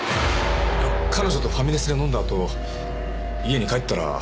いや彼女とファミレスで飲んだあと家に帰ったら。